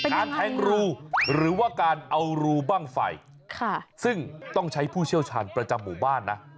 แทงรูหรือว่าการเอารูบ้างไฟซึ่งต้องใช้ผู้เชี่ยวชาญประจำหมู่บ้านนะ